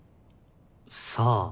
さあ。